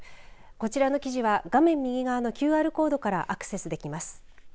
こちらの記事は画面右側のＱＲコードからアクセスできます。